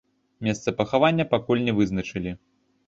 Месца пахавання пакуль не вызначылі.